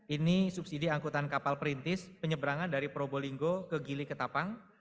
ini subsidi angkutan kapal perintis penyeberangan dari probolinggo ke gili ketapang